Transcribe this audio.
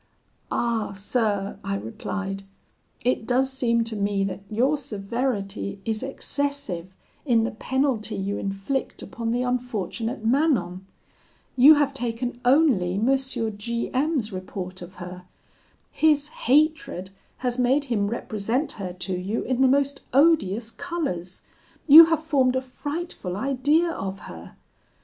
"'Ah, sir,' I replied, 'it does seem to me that your severity is excessive in the penalty you inflict upon the unfortunate Manon. You have taken only M. G M 's report of her. His hatred has made him represent her to you in the most odious colours: you have formed a frightful idea of her.